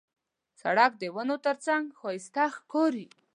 سړک د ونو ترڅنګ ښایسته ښکاري.